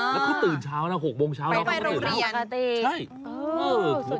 แล้วเขาตื่นเช้านะ๖โมงเช้าแล้วเข้ามาเรียน